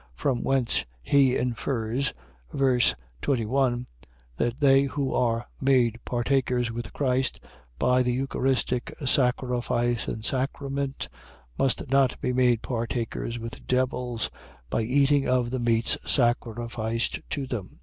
From whence he infers, ver. 21, that they who are made partakers with Christ, by the eucharistic sacrifice and sacrament, must not be made partakers with devils by eating of the meats sacrificed to them.